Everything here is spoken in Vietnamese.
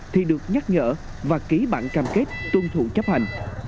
thì được nhắc nhở và ký bản cam kết tuân thủ chấp hành